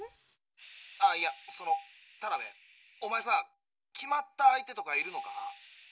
ああいやそのタナベおまえさ決まった相手とかいるのか？